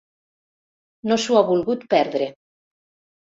No s'ho ha volgut perdre.